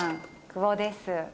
久保です。